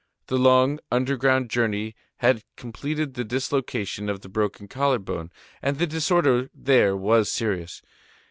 The long, underground journey had completed the dislocation of the broken collar bone, and the disorder there was serious.